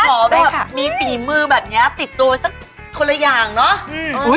ขนมมีฝีมือแบบนี้ระว่างคนละอย่างเนอะ